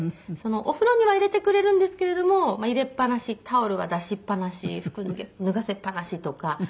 お風呂には入れてくれるんですけれども入れっ放しタオルは出しっ放し服脱がせっ放しとかこう。